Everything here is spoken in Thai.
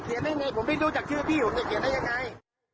จะเขียนได้ไงผมไม่รู้จากชื่อพี่ผมจะเขียนได้ยังไง